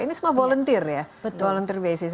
ini semua volunteer ya betul